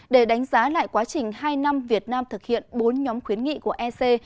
để đánh giá lại quá trình hai năm việt nam thực hiện bốn nhóm khuyến nghị của ec